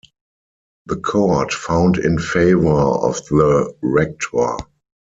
The court found in favour of the rector.